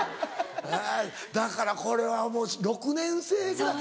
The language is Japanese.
だからこれはもう６年生ぐらい？